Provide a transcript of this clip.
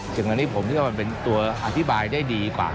ซึ่งอันนี้ผมคิดว่ามันเป็นตัวอธิบายได้ดีกว่า